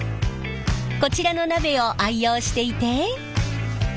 こちらの鍋を愛用していて。